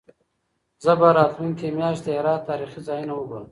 زه به راتلونکې میاشت د هرات تاریخي ځایونه وګورم.